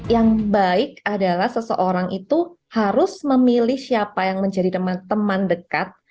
yang baik adalah seseorang itu harus memilih siapa yang menjadi teman dekat